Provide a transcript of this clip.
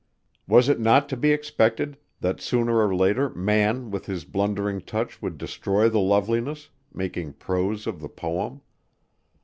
Was it not to be expected that sooner or later man with his blundering touch would destroy the loveliness, making prose of the poem?